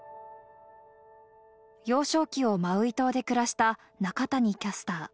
幼少期をマウイ島で暮らした中谷キャスター。